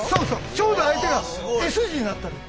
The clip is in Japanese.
ちょうど相手がＳ字になったらいい。